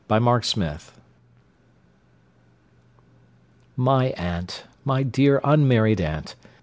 MY AUNT My aunt! my dear unmarried aunt!